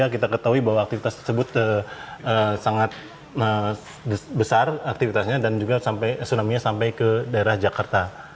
kita ketahui bahwa aktivitas tersebut sangat besar aktivitasnya dan juga tsunami nya sampai ke daerah jakarta